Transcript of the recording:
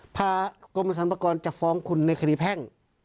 กรมสรรพากรจะฟ้องคุณในคดีแพ่ง